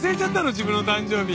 自分の誕生日。